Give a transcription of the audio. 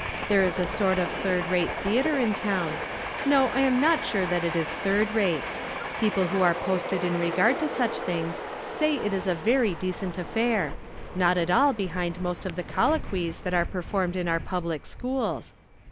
There is a sort of third rate theatre in town — ^no, I am not sure that it is tliird rate. People who are posted in regard to such things say it is a very decent affair ; not at all behind most of the collo quies that are performed in our public schools.